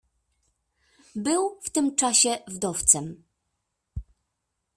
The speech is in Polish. "Był w tym czasie wdowcem."